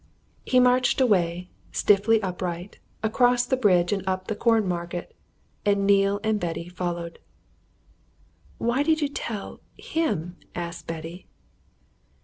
He marched away, stiffly upright, across the bridge and up the Cornmarket, and Neale and Betty followed. "Why did you tell him?" asked Betty.